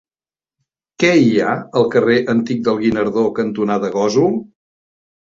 Què hi ha al carrer Antic del Guinardó cantonada Gósol?